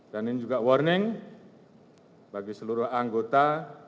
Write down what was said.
ini juga warning bagi seluruh anggota